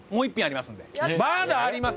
まだあります。